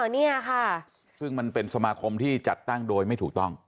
นี่ค่ะซึ่งมันเป็นสมาคมที่จัดตั้งโดยไม่ถูกต้อง